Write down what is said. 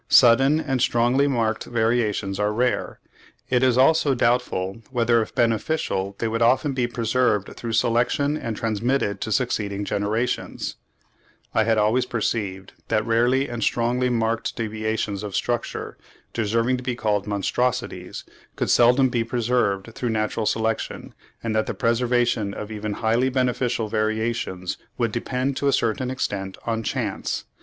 Sudden and strongly marked variations are rare; it is also doubtful whether if beneficial they would often be preserved through selection and transmitted to succeeding generations. (35. 'Origin of Species' fifth edit. 1869, p.104. I had always perceived, that rare and strongly marked deviations of structure, deserving to be called monstrosities, could seldom be preserved through natural selection, and that the preservation of even highly beneficial variations would depend to a certain extent on chance.